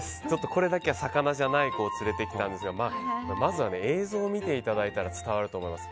これだけは、魚じゃない子を連れてきたんですがまずは映像を見ていただいたら伝わると思います。